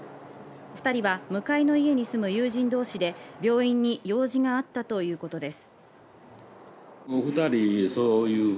２人は向かいの家に住む友人同士で、病院に用事があったということです。